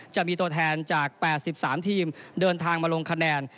จะมีตัวแทนจาก๘๓ทีมเดินทางมาลงคะแนน